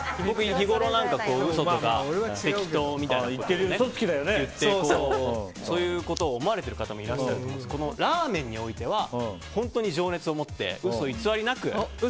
日頃、嘘とか適当みたいなことを言ってそういうことを思われてる方もいらっしゃると思いますがラーメンにおいては本当に情熱を持って嘘偽りなく。